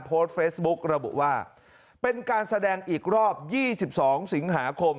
โพสต์เฟซบุ๊กระบุว่าเป็นการแสดงอีกรอบ๒๒สิงหาคม